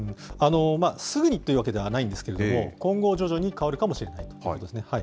すぐにっていうわけではないんですけれども、今後、徐々に変わるかもしれないですね。